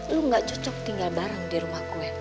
lu gak cocok tinggal bareng di rumah gue